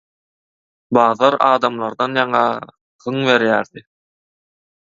Bazar adamlardan ýaňa hyň berýärdi.